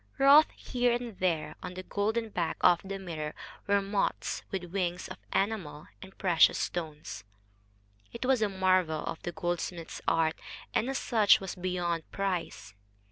Wrought here and there, on the golden back of the mirror, were moths with wings of enamel and precious stones. It was a marvel of the goldsmith's art, and as such was beyond price.